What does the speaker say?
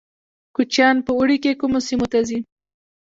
کوچیان په اوړي کې کومو سیمو ته ځي؟